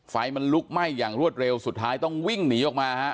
ไฟมันลุกไหม้อย่างรวดเร็วสุดท้ายต้องวิ่งหนีออกมาฮะ